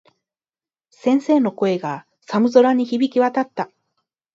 先生の声が、寒空に響き渡った。